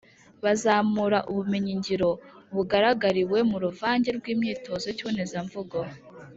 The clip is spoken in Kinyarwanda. bazamura ubumenyi ngiro bugaragarira mu ruvange rw’imyitozo y’ikibonezamvugo